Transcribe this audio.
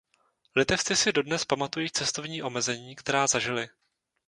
Litevci si dodnes pamatují cestovní omezení, která zažili.